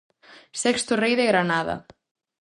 Sexto rei de Granada.